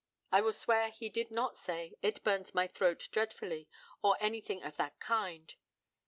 I will swear he did not say, "it burns my throat dreadfully," or anything of that kind.